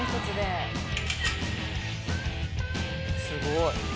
すごい。